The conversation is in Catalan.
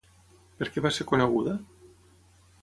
Per què va ser coneguda?